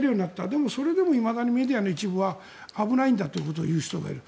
でもそれでもいまだにメディアの一部は危ないんだということを言う人がいる。